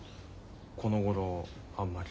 このごろあんまり。